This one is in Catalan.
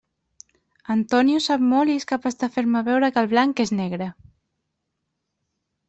Antonio sap molt i és capaç de fer-me veure que el blanc és negre.